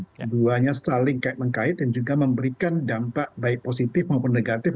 jadi dua duanya saling mengkait dan juga memberikan dampak baik positif maupun negatif